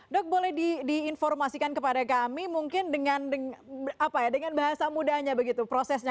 dok boleh diinformasikan kepada kami mungkin dengan bahasa mudanya begitu prosesnya